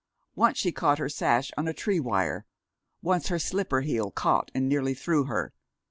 Once she caught her sash on a tree wire. Once her slipper heel caught and nearly threw her.